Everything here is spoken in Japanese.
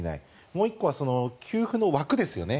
もう１個は給付の枠ですよね。